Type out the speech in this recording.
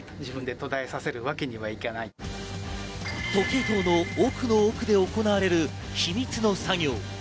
時計塔の奥の奥で行われる秘密の作業。